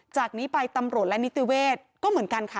จากนี้ไปตำรวจและนิติเวศก็เหมือนกันค่ะ